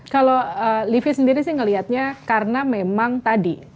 kalau livi sendiri sih ngelihatnya karena memang tadi